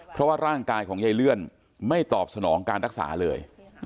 เพราะว่าร่างกายของยายเลื่อนไม่ตอบสนองการรักษาเลย